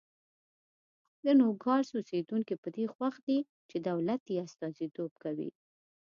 د نوګالس اوسېدونکي په دې خوښ دي چې دولت یې استازیتوب کوي.